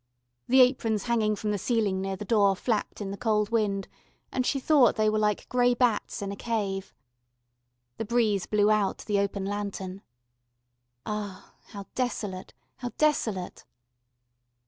The aprons hanging from the ceiling near the door flapped in the cold wind, and she thought they were like grey bats in a cave. The breeze blew out the open lantern. Ah, how desolate, how desolate....